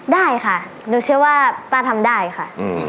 ได้ค่ะหนูเชื่อว่าป้าทำได้ค่ะ